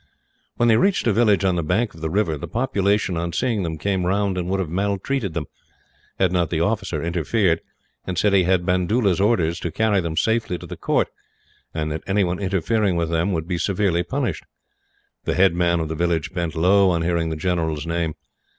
When they reached a village on the banks of the river the population, on seeing them, came round and would have maltreated them; had not the officer interfered, and said he had Bandoola's orders to carry them safely to the court, and that anyone interfering with them would be severely punished. The head man of the village bent low, on hearing the general's name.